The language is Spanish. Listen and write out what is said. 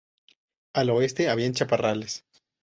Al oeste habían chaparrales.